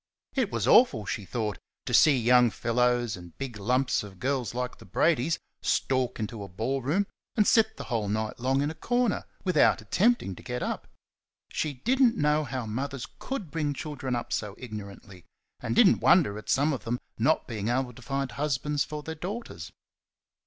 It was awful, she thought, to see young fellows and big lumps of girls like the Bradys stalk into a ballroom and sit the whole night long in a corner, without attempting to get up. She did n't know how mothers COULD bring children up so ignorantly, and did n't wonder at some of them not being able to find husbands for their daughters.